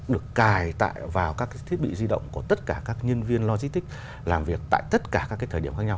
được cài vào các thiết bị di động của tất cả các nhân viên logistics làm việc tại tất cả các thời điểm khác nhau